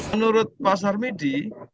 menurut pak sarmi